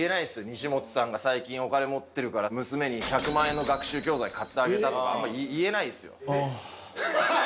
西本さんが最近お金持ってるから娘に１００万円の学習教材買ってあげたとかあんまり言えないですよ。